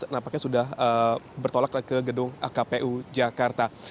nampaknya sudah bertolak ke gedung kpu jakarta